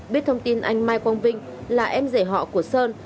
biết thông tin anh mai quang vinh là em rể họ của sơn